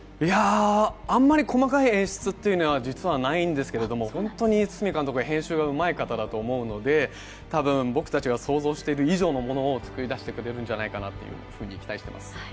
あまり細かい演出とかはないんですが本当に堤監督は編集がうまい方だと思うので、多分、僕たちが想像している以上のものを作り出してくれるのではないかと期待しています。